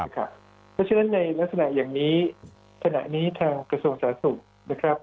เพราะฉะนั้นในลักษณะอย่างนี้ขณะนี้ทางกระทรวงสาธารณสุขนะครับ